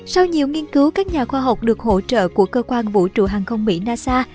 sau nhiều nghiên cứu các nhà khoa học được hỗ trợ của cơ quan vũ trụ hàng không mỹ nasa